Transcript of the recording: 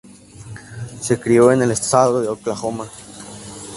Se crio en el estado de Oklahoma.